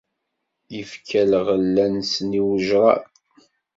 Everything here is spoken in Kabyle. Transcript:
Ifka lɣella-nsen i ujrad.